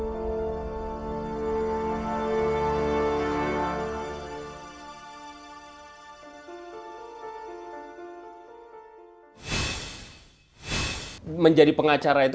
saya tidak tahu